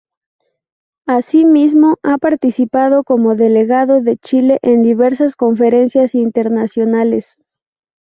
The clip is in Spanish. Asimismo, ha participado como delegado de Chile en diversas conferencias internacionales.